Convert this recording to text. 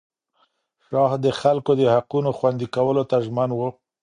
شاه د خلکو د حقونو خوندي کولو ته ژمن و.